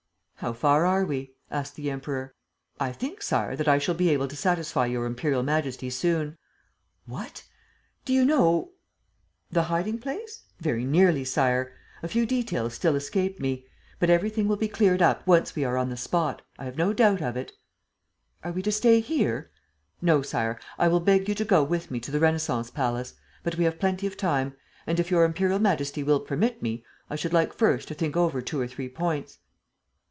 "How far are we?" asked the Emperor. "I think, Sire, that I shall be able to satisfy Your Imperial Majesty soon." "What? Do you know ..." "The hiding place? Very nearly, Sire. ... A few details still escape me ... but everything will be cleared up, once we are on the spot: I have no doubt of it." "Are we to stay here?" "No, Sire, I will beg you to go with me to the Renascence palace. But we have plenty of time; and, if Your Imperial Majesty will permit me, I should like first to think over two or three points."